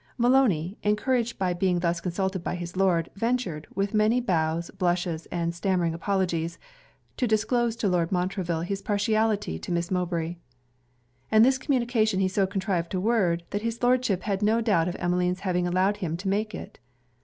Maloney, encouraged by being thus consulted by his Lord, ventured, with many bows, blushes, and stammering apologies, to disclose to Lord Montreville his partiality to Miss Mowbray. And this communication he so contrived to word, that his Lordship had no doubt of Emmeline's having allowed him to make it.